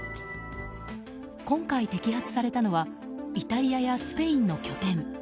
今回、摘発されたのはイタリアやスペインの拠点。